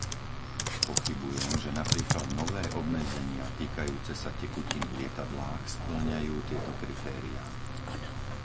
Pochybujem, že napríklad nové obmedzenia týkajúce sa tekutín v lietadlách spĺňajú tieto kritéria.